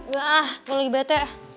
gah gue lagi bete